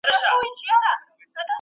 د غمونو سوي چیغي تر غوږونو نه رسیږي